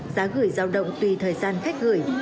giá gửi giao động tùy thời gian khách gửi